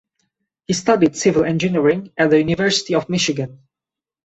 He studied civil engineering at the University of Michigan.